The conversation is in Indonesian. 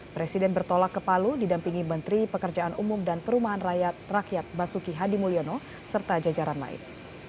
presiden bertolak ke palu didampingi menteri pekerjaan umum dan perumahan rakyat rakyat basuki hadi mulyono serta jajaran lain